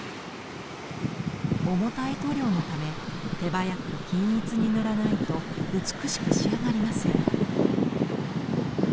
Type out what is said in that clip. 重たい塗料のため手早く均一に塗らないと美しく仕上がりません。